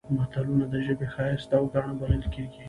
متلونه د ژبې ښایست او ګاڼه بلل کېږي